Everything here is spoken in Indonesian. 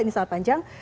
ini sangat panjang